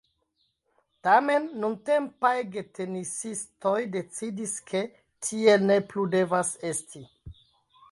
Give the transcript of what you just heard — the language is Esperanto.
Tamen nuntempaj getenisistoj decidis, ke tiel ne plu devas esti.